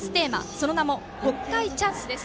その名も「北海チャンス」です。